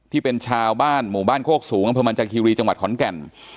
ที่เป็นชาวบ้านหมู่บ้านโคกสูงอำเภอมันจากคีรีจังหวัดขอนแก่น